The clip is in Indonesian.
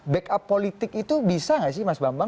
back up politik itu bisa nggak sih mas bapak